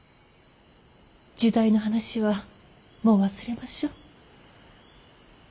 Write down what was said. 入内の話はもう忘れましょう。